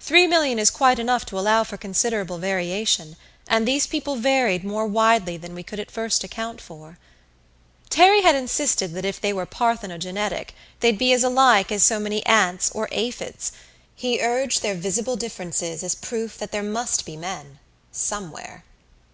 Three million is quite enough to allow for considerable variation, and these people varied more widely than we could at first account for. Terry had insisted that if they were parthenogenetic they'd be as alike as so many ants or aphids; he urged their visible differences as proof that there must be men somewhere.